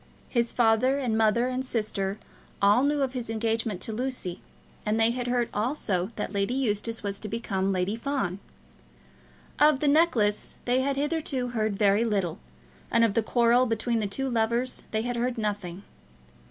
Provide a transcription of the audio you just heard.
His father and mother and sister all knew of his engagement to Lucy, and they had heard also that Lady Eustace was to become Lady Fawn. Of the necklace they had hitherto heard very little, and of the quarrel between the two lovers they had heard nothing.